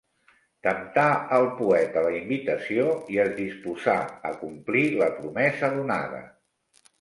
Temptà al poeta la invitació i es disposà a complir la promesa donada.